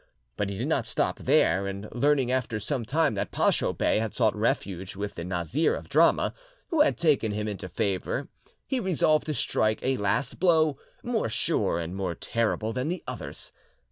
But he did not stop there, and learning after some time that Pacho Bey had sought refuge with the Nazir of Drama, who had taken him into favour, he resolved to strike a last blow, more sure and more terrible than the others.